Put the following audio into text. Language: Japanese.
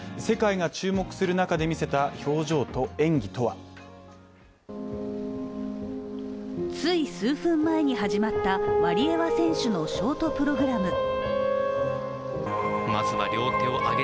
世界が注目する中で見せた表情と演技とはつい数分前に始まったワリエワ選手のショートプログラム。